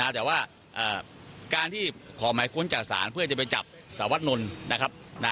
แต่ว่าการที่ขอหมายค้นจากศาลเพื่อจะไปจับสารวัตนนท์นะครับ